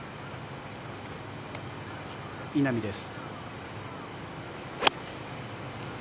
稲見です。